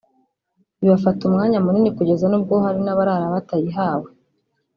bibafata umwanya munini kugeza nubwo hari n’abarara batayihawe